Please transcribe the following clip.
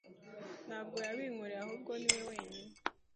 Ntabwo yabinkoreye ahubwo ni we wenyine.